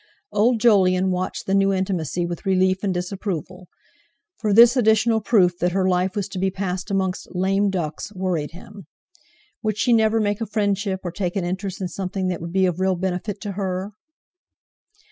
Old Jolyon watched the new intimacy with relief and disapproval; for this additional proof that her life was to be passed amongst "lame ducks" worried him. Would she never make a friendship or take an interest in something that would be of real benefit to her?